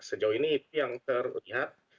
sejauh ini itu yang terlihat